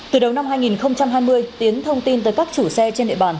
từ đầu năm hai nghìn hai mươi tiến thông tin tới các chủ xe trên địa bàn